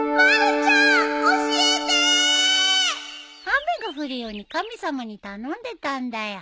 雨が降るように神様に頼んでたんだよ。